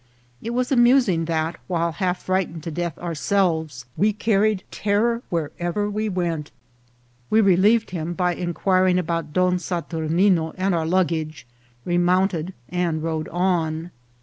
It was amusing that, while half frightened to death ourselves, we carried terror wherever we went. We relieved him by inquiring about Don Saturnino and our luggage, remounted, and rode on.